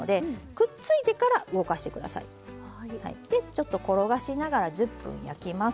ちょっと転がしながら１０分焼きます。